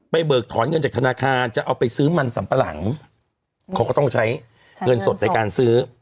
เบิกถอนเงินจากธนาคารจะเอาไปซื้อมันสัมปะหลังเขาก็ต้องใช้เงินสดในการซื้อ